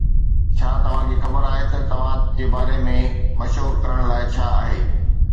ڇا توهان کي خبر آهي ته توهان جي باري ۾ مشهور ڪرڻ لاء ڇا آهي؟